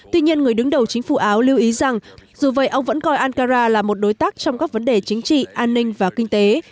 tuy nhiên người đứng đầu chính phủ áo lưu ý rằng dù vậy ông vẫn coi ankara là một đối tác trong các vấn đề chính trị an ninh và kinh tế